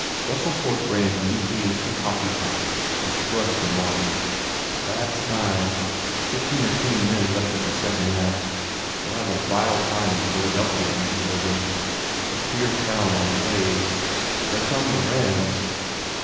Russell poured brandy neatly in to the coffee pot and shrugged to Mark. "Bad sign. Fifteen or twenty men left in the second act. We ll have a vile time in Philadel phia, Lady Ilden. It s a queer town on plays. There come the Rands."